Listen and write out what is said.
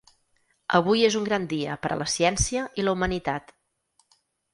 Avui és un gran dia per a la ciència i la humanitat.